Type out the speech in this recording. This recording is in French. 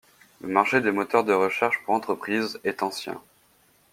Le marché des moteurs de recherche pour entreprise est ancien.